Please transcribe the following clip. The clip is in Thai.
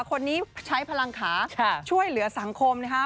คนนี้ใช้พลังขาช่วยเหลือสังคมนะคะ